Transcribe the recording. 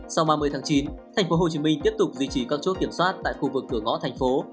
sau ba mươi tháng chín thành phố hồ chí minh tiếp tục duy trì các chỗ kiểm soát tại khu vực cửa ngõ thành phố